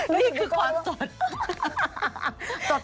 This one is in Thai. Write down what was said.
นี่คือความสด